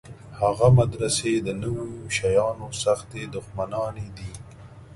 هغه مدرسې د نویو شیانو سختې دښمنانې دي.